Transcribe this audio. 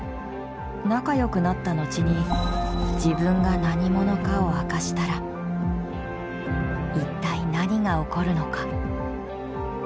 仲よくなった後に自分が何者かを明かしたら一体何が起こるのか？